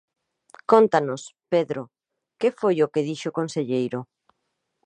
Cóntanos, Pedro, que foi o que dixo o conselleiro?